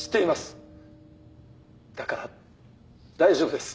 だから大丈夫です。